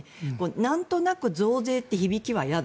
なんとなく増税って響きは嫌だ。